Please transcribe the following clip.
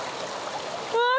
うわ！